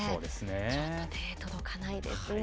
ちょっと手届かないですね。